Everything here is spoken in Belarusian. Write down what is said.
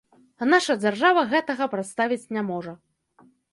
А наша дзяржава гэтага прадставіць не можа.